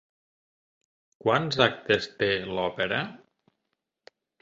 Quants actes té l'òpera?